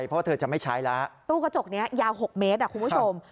เพราะเธอจะไม่ใช้แล้วตู้กระจกนี้ยาว๖เมตรคุณผู้ชม